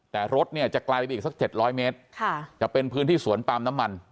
แต่รถเนี่ยจะไกลไปอีกสัก๗๐๐เมตรจะเป็นพื้นที่สวนปาล์มน้ำมัน